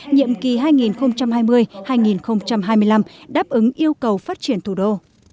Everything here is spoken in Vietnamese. nhiệm kỳ hai nghìn hai mươi hai nghìn hai mươi năm đáp ứng yêu cầu phát triển thủ đô